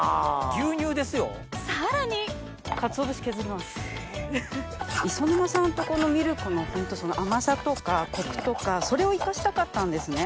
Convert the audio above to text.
さらに磯沼さんとこのミルクの甘さとかコクとかそれを生かしたかったんですね。